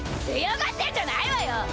強がってんじゃないわよ！